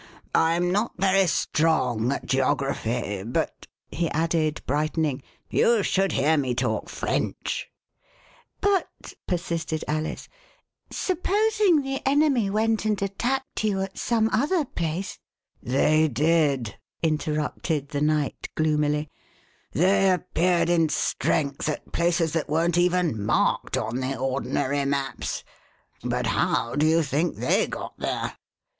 I'm not very strong at geography, but," he added, brightening, you should hear me talk French." 14 Alice in Pall Mall " But," persisted Alice, "supposing the enemy went and attacked you at some other place " "They did," interrupted the Knight gloomily; "they appeared in strength at places that weren't even marked ^:=^^^l'!!^^'^p ANOTHER HANDY TO FALL ON TO. on the ordinary maps. But how do you think they got there